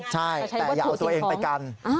ใช่แต่อย่าเอาตัวเองไปกัน